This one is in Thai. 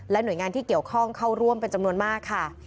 หน่วยงานที่เกี่ยวข้องเข้าร่วมเป็นจำนวนมากค่ะ